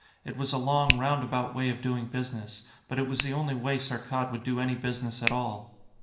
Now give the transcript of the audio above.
It was a long, roundabout way of doing business, but it was the only way Saarkkad would do any business at all.